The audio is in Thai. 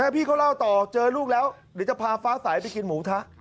พี่เขาเล่าต่อเจอลูกแล้วเดี๋ยวจะพาฟ้าสายไปกินหมูทะ